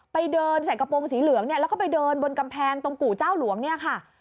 ไปเดินใส่กระโปรงสีเหลืองเนี่ยแล้วก็ไปเดินบนกำแพงตรงกู่เจ้าหลวงเนี่ยค่ะ